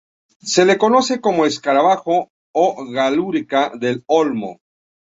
Se le conoce como escarabajo o galeruca del olmo.